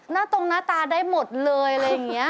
ตรงหน้าตาได้หมดเลยอะไรอย่างนี้